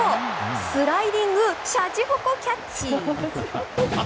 スライディングシャチホコキャッチ！